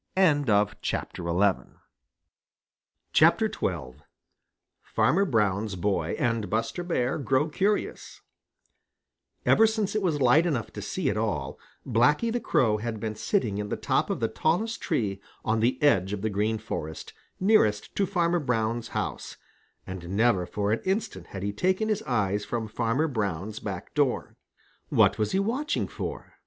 XII FARMER BROWN'S BOY AND BUSTER BEAR GROW CURIOUS Ever since it was light enough to see at all, Blacky the Crow had been sitting in the top of the tallest tree on the edge of the Green Forest nearest to Farmer Brown's house, and never for an instant had he taken his eyes from Farmer Brown's back door. What was he watching for?